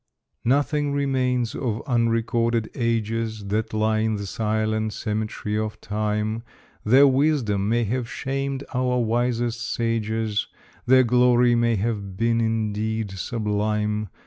Nothing remains of unrecorded ages That lie in the silent cemetery of time; Their wisdom may have shamed our wisest sages, Their glory may have been indeed sublime.